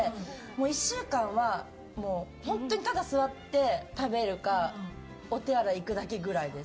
１週間は本当にただ座って、食べるかお手洗いに行くだけくらいです。